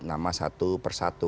nama satu persatu